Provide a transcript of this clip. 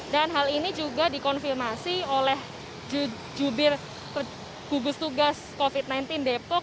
hal ini juga dikonfirmasi oleh jubir gugus tugas covid sembilan belas depok